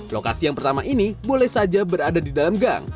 lokasi yang pertama ini boleh saja berada di dalam gang